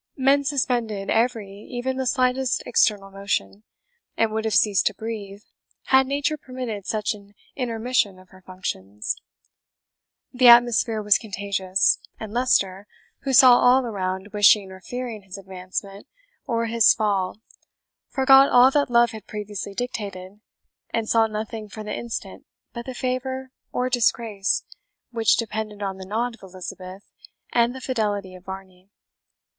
Men suspended every, even the slightest external motion, and would have ceased to breathe, had Nature permitted such an intermission of her functions. The atmosphere was contagious, and Leicester, who saw all around wishing or fearing his advancement or his fall forgot all that love had previously dictated, and saw nothing for the instant but the favour or disgrace which depended on the nod of Elizabeth and the fidelity of Varney.